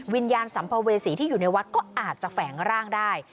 วิญญาณสัมภเวษีที่อยู่ในวัดก็อาจจะแฝงร่างได้